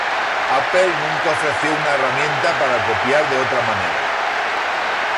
Apple nunca ofreció una herramienta para copiar de otra manera.